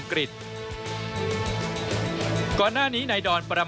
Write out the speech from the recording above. นายกรัฐมนตรียอมรับว่า